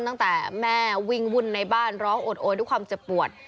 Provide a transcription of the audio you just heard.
ตั้งแต่แม่วิ่งวุ่นในบ้านร้องโอดโอยด้วยความเจ็บปวด